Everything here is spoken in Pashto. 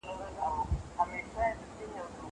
داسي ښکلادګل په غيږ دګل په رنګ کي غورځي